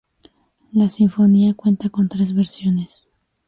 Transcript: La sinfonía cuenta con tres versiones.